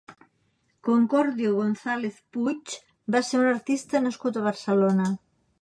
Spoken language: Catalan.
Concordio González Puig va ser un artista nascut a Barcelona.